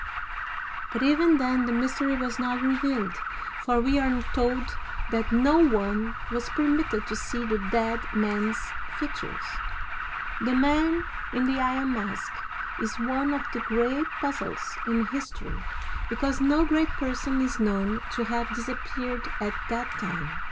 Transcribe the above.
But even then the mystery was not revealed, for we are told that no one was permitted to see the dead man's features. Digitized by Google LOUIS XIV. (1643 1715) 337 The Man in the Iron Mask is one of the great puzzles in history, because no great person is known to have dis appeared at that time.